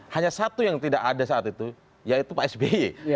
hanya satu yang tidak ada saat itu yaitu pak sby